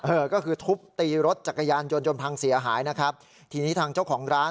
เออก็คือทุบตีรถจักรยานยนต์จนพังเสียหายนะครับทีนี้ทางเจ้าของร้าน